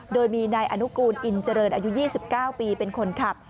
โดยมีนายอนุกูลอินเจริญอายุ๒๙ปีเป็นคนขับ